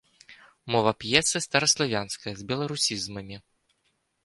Мова п'есы стараславянская з беларусізмамі.